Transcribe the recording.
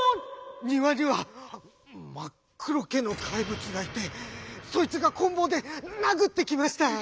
「にわにはまっくろけのかいぶつがいてそいつがこんぼうでなぐってきました」。